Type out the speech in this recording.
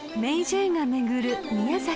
．が巡る宮崎］